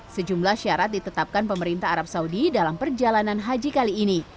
sejumlah syarat ditetapkan pemerintah arab saudi dalam perjalanan haji kali ini